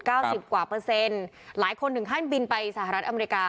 สิบกว่าเปอร์เซ็นต์หลายคนถึงขั้นบินไปสหรัฐอเมริกา